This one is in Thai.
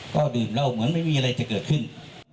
ก็ดื่มเหล้าเหมือนไม่มีอะไรจะเกิดขึ้น